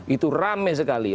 itu rame sekali